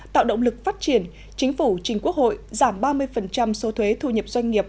tạo động lực phát triển chính phủ trình quốc hội giảm ba mươi số thuế thu nhập doanh nghiệp